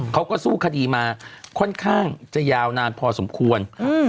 เขาก็สู้คดีมาค่อนข้างจะยาวนานพอสมควร